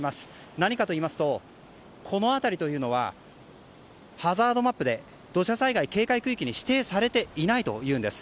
何かといいますとこの辺りはハザードマップで土砂災害警戒区域に指定されていないというんです。